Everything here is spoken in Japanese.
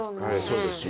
そうですね。